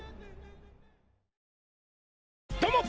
どうもっ！